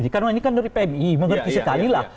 karena ini kan dari pmi mengerti sekali lah